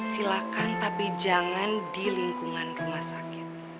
silahkan tapi jangan di lingkungan rumah sakit